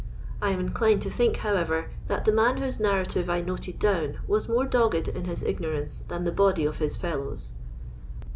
I am inclined to think, however, that the man whose narrative I noted down was more dogged in hij ignorance than the body of his fellows.